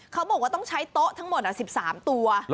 เขาบอกว่าต้องใช้โต๊ะทั้งหมด๑๓ตัว